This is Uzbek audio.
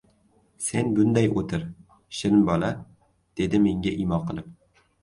— Sen bunday o‘tir, shirin bola, — dedi menga imo qilib.